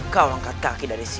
kau angkat kaki dari sini